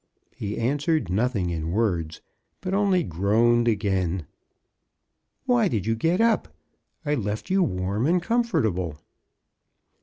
He answered nothing in words, but only groaned again. *'Why did you get up? I left you warm and comfortable."